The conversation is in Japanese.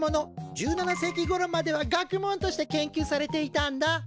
１７世紀ごろまでは学問として研究されていたんだ。